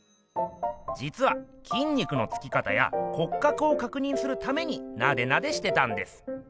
じつはきん肉のつき方や骨格をかくにんするためになでなでしてたんです。